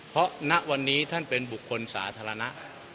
เพราะณวันนี้ท่านเป็นบุคคลสาธารณะ